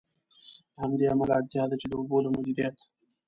له همدې امله، اړتیا ده چې د اوبو د مدیریت.